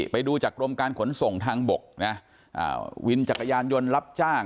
ไปดูจากกรมการขนส่งทางบกนะวินจักรยานยนต์รับจ้าง